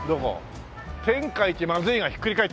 「天下一まずい」がひっくり返ってるんだよ。